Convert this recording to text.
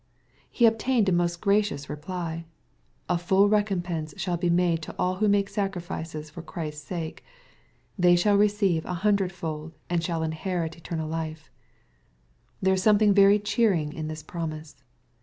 He obtained a most gracious reply. A fuU recompence shall be made to all who make sacrifices for Christ's sake : they " shall receive an hundred fold, and shall inherit everlasting life.'' There is something very cheering in this promise.